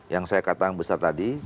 yang saya katakan besar tadi